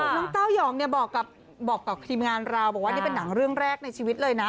น้องเต้ายองเนี่ยบอกกับทีมงานเราบอกว่านี่เป็นหนังเรื่องแรกในชีวิตเลยนะ